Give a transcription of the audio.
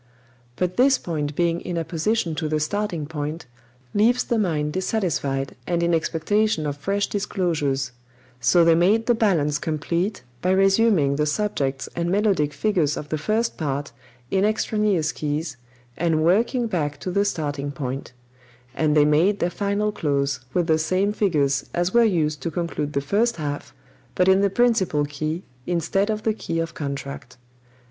"But this point being in apposition to the starting point, leaves the mind dissatisfied and in expectation of fresh disclosures; so they made the balance complete by resuming the subjects and melodic figures of the first part in extraneous keys, and working back to the starting point; and they made their final close with the same figures as were used to conclude the first half, but in the principal key instead of the key of contract."